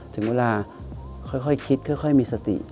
แต่ถ้าค่อยคิดค่อยมีสติ